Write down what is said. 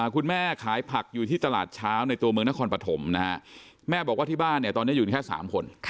คุณแม่ขายผักอยู่ที่ตลาดเช้าในตัวเมืองนครปฐมนะฮะแม่บอกว่าที่บ้านเนี่ยตอนนี้อยู่แค่๓คน